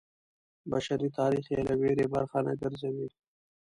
بشري تاریخ یې له ویرې برخه نه ګرځوي.